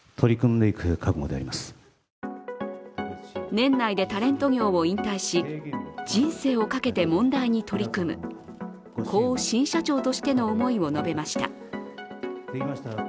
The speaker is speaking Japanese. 年内でタレント業を引退し、人生をかけて問題に取り組む、こう新社長としての思いを述べました。